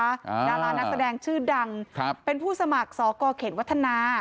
ดารานักแสดงชื่อดังครับเป็นผู้สมัครสอกรเขตวัฒนา